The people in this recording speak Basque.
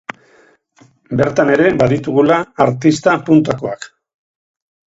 Bertan ere baditugula artista puntakoak.